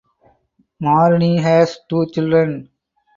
Marini has two children.